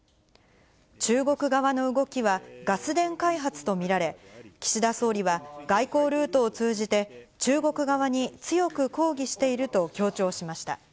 中国側の動きはガス田開発と見られ、岸田総理は、外交ルートを通じて、中国側に強く抗議していると強調しました。